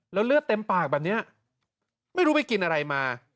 แล้วเลือดเต็มปากแบบนี้ไม่รู้ไปกินอะไรมา